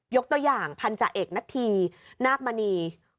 ยกตัวอย่างพันจาเอกนักฐีนาคมณี